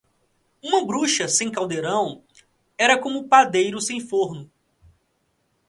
Uma bruxa sem caldeirão era como padeiro sem forno.